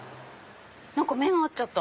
何か目が合っちゃった。